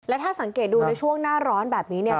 ถ้าสังเกตดูในช่วงหน้าร้อนแบบนี้เนี่ย